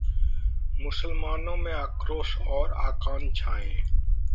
मुसलमानों में आक्रोश और आकांक्षाएं